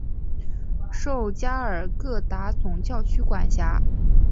受加尔各答总教区管辖。